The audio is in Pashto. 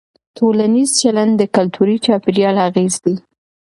ټولنیز چلند د کلتوري چاپېریال اغېز دی.